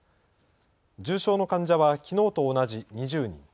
重症の患者はきのうと同じ２０人。